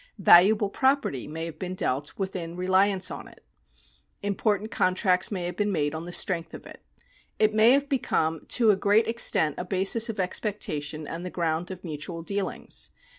Valuable property may have been dealt with in reliance on it ; important con tracts may have been made on the strength of it ; it may have become to a great extent a basis of expectation and the ground of mutual dealings.